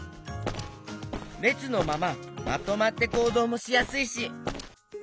れつのまままとまってこうどうもしやすいし。